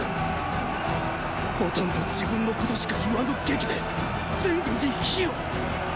ほとんど自分のことしか言わぬ檄で全軍に火をっ！